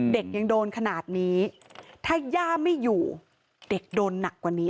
เด็กยังโดนขนาดนี้ถ้าย่าไม่อยู่เด็กโดนหนักกว่านี้